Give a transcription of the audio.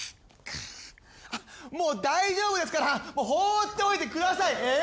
もう大丈夫ですから放っておいてください。え！